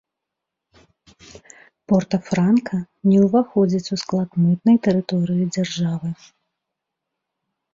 Порта-франка не ўваходзіць у склад мытнай тэрыторыі дзяржавы.